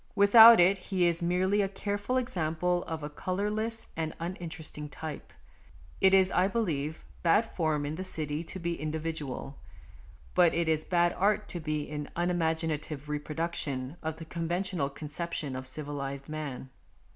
Without it he is merely a careful example of a colourless and uninteresting type. It is, I believe, bad form in the City to be individual ; but it is bad art to be an unimaginative reproduction of the conventional conception of civilized man.